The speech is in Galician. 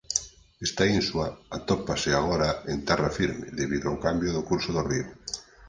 Esta insua atópase agora en terra firme debido ao cambio do curso do río.